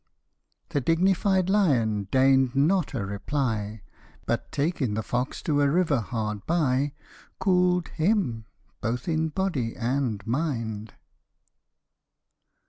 The dignified lion deign'd not a reply j But taking the fox to a river hard by, Cool'd him, both in body and mind.